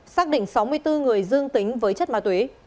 xác định sáu mươi bốn người dương tính với chất ma túy